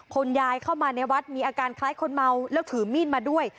คุณยายเข้ามาในวัดมีอาการคล้ายคนเมาแล้วถือมีดมาด้วย